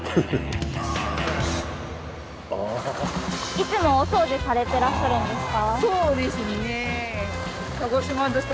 いつもお掃除されてらっしゃるんですか？